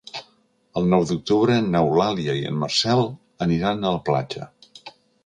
El nou d'octubre n'Eulàlia i en Marcel aniran a la platja.